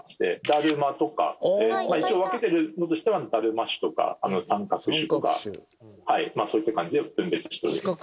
だるまとか一応分けてるのとしてはだるま種とかさんかく種とかそういった感じで分別しております。